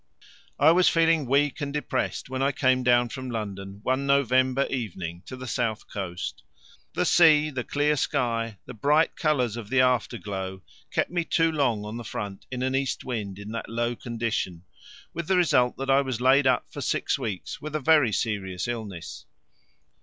I was feeling weak and depressed when I came down from London one November evening to the south coast: the sea, the clear sky, the bright colours of the afterglow kept me too long on the front in an east wind in that low condition, with the result that I was laid up for six weeks with a very serious illness.